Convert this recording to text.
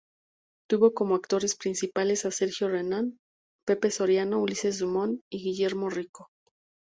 Tuvo como actores principales a Sergio Renán, Pepe Soriano, Ulises Dumont y Guillermo Rico.